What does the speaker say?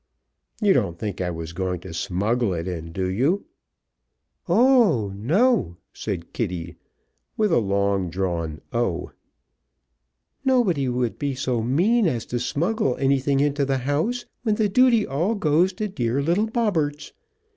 You don't think I was going to smuggle it in, do you?" "Oh, no!" said Kitty, with a long drawn o. "Nobody would be so mean as to smuggle anything into the house, when the duty all goes to dear little Bobberts.